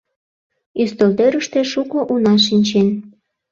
Ӱстелтӧрыштӧ шуко уна шинчен.